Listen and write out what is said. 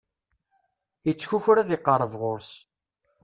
Ittkukru ad iqerreb ɣur-s.